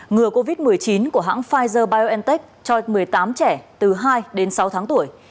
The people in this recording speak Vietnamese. ngừa covid một mươi chín của hãng pfizer biontech cho một mươi tám trẻ từ hai đến sáu tháng tuổi